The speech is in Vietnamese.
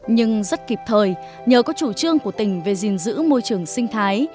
nhưng rất kịp thời nhờ có chủ trương của tỉnh về gìn giữ môi trường sinh thái